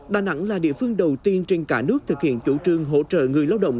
đà nẵng là địa phương đầu tiên trên cả nước thực hiện chủ trương hỗ trợ người lao động